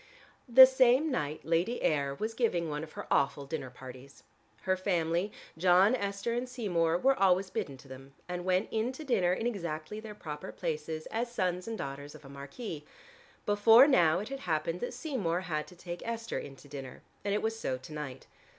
The same night Lady Ayr was giving one of her awful dinner parties. Her family, John, Esther and Seymour were always bidden to them, and went in to dinner in exactly their proper places as sons and daughters of a marquis. Before now it had happened that Seymour had to take Esther in to dinner, and it was so to night.